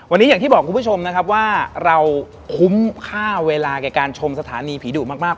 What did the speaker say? วันนี้อย่างที่บอกคุณผู้ชมนะครับว่าเราคุ้มค่าเวลาแก่การชมสถานีผีดุมาก